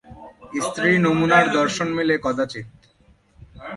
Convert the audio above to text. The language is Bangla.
স্ত্রী নমুনার দর্শন মেলে কদাচিৎ।